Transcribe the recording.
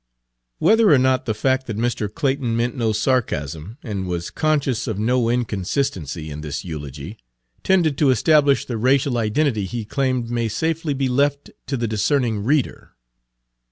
Whether or not the fact that Mr. Clayton Page 96 meant no sarcasm, and was conscious of no inconsistency in this eulogy, tended to establish the racial identity he claimed may safely be left to the discerning reader.